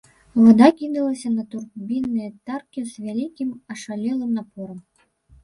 Вада кідалася на турбінныя таркі з вялікім ашалелым напорам.